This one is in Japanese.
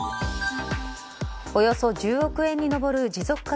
およそ１０億円に上る持続化